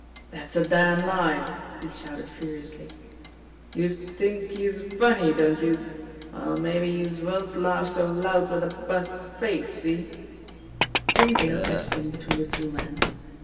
"Dat's a damn lie !" he shouted furiously. "Youse t'ink" youse're funny, don't youse? Well, mabbe youse won't laugh so loud wid a bust face see?" Jimmie Dale edged in between the two men.